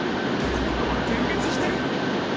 今度は点滅してる？